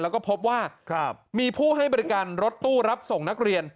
แล้วก็พบว่ามีผู้ให้บริการรถตู้รับส่งนักเรียน